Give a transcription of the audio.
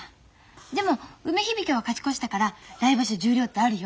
でも梅響は勝ち越したから来場所十両ってあるよ。